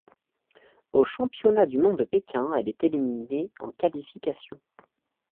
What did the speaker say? Aux Championnats du monde de Pékin, elle est éliminée en qualifications.